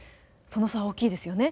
その差は大きいですよね。